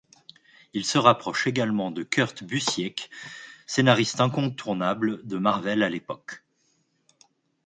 Il se rapproche également de Kurt Busiek, scénariste incontournable de Marvel à l'époque.